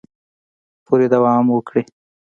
پورې دوام وکړي